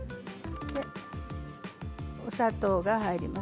それと、お砂糖が入ります。